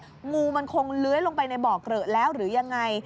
งูมันคงเลื้อยลงไปในบ่อเกลอะแล้วหรือยังไง